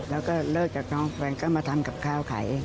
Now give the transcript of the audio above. แล้วก็เลิกจากน้องแฟนก็มาทำกับข้าวขาย